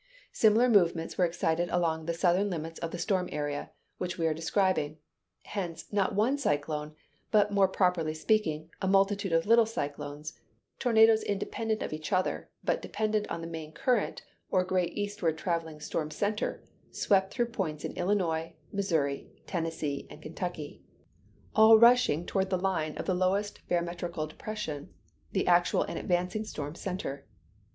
Similar movements were excited along the southern limits of the storm area, which we are describing; and hence, not one cyclone, but more properly speaking, a multitude of little cyclones tornadoes independent of each other, but dependent on the main current, or great eastward traveling storm center swept through points in Illinois, Missouri, Tennessee and Kentucky; all rushing toward the line of the lowest barometrical depression, the actual and advancing storm center.